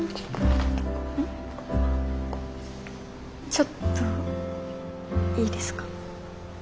ちょっといいですか？